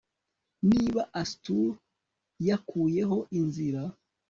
Niba Astur yakuyeho inzira